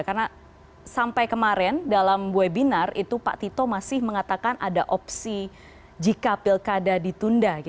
karena sampai kemarin dalam webinar itu pak tito masih mengatakan ada opsi jika pilkada ditunda